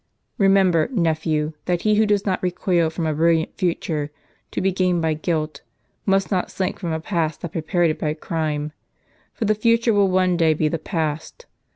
Eemember, nephew, that he who does not recoil from a brilliant future, to be gained by guilt, must not sliiink from a past that prepared it by crime. For the future will one day be the past.